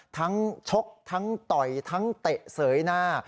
ทั้งชกทั้งต่อยทั้งเตะเสยน่า